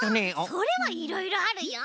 それはいろいろあるよ。